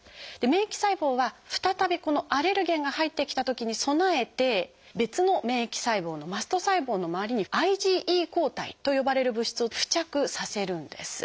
免疫細胞は再びこのアレルゲンが入ってきたときに備えて別の免疫細胞の「マスト細胞」の周りに「ＩｇＥ抗体」と呼ばれる物質を付着させるんです。